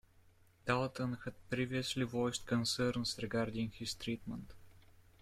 Dalton had previously voiced concerns regarding his treatment.